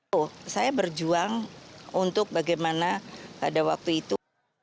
oh saya berjuang untuk bagaimana pada waktu itu